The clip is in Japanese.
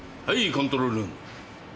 コントロールルーム。